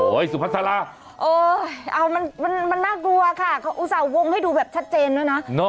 สุพัสราเออเอามันน่ากลัวค่ะเขาอุตส่าห์วงให้ดูแบบชัดเจนด้วยนะ